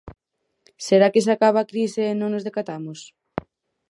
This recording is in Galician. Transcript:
Será que se acaba a crise e non nos decatamos?